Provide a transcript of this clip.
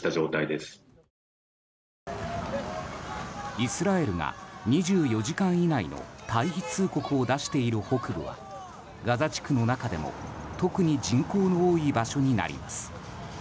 イスラエルが２４時間以内の退避通告を出している北部はガザ地区の中でも特に人口の多い場所になります。